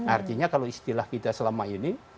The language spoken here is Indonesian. artinya kalau istilah kita selama ini